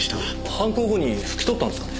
犯行後に拭き取ったんですかね？